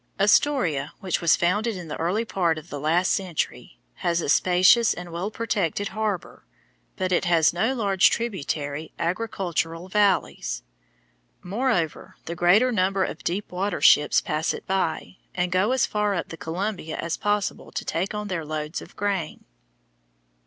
Astoria, which was founded in the early part of the last century, has a spacious and well protected harbor, but it has no large tributary agricultural valleys. Moreover, the greater number of deep water ships pass it by, and go as far up the Columbia as possible to take on their loads of grain.